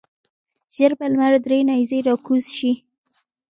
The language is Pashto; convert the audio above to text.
ژر به لمر درې نیزې راکوز شي.